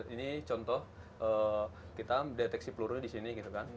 ini contoh kita deteksi pelurunya di sini